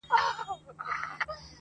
گراني فريادي دي بـېــگـــاه وويل